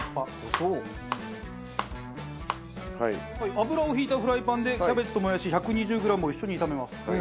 油を引いたフライパンでキャベツともやし１２０グラムを一緒に炒めます。